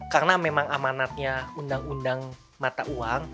karena memang amanatnya undang undang mata uang